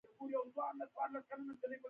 ما ویل کومه خوا لاړ شم.